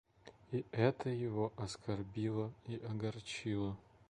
И это его оскорбило и огорчило.